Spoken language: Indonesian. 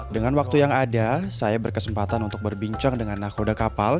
dengan waktu yang ada saya berkesempatan untuk berbincang dengan nahkoda kapal